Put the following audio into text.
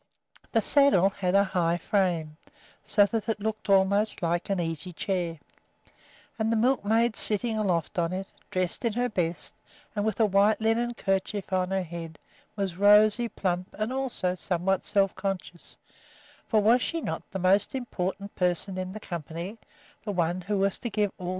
The saddle had a high frame, so that it looked almost like an easy chair; and the milkmaid sitting aloft on it, dressed in her best, and with a white linen kerchief on her head, was rosy, plump, and also somewhat self conscious, for was not she the most important person in the company, the one who was to give all the commands?